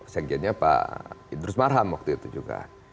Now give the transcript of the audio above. sekjennya pak idrus marham waktu itu juga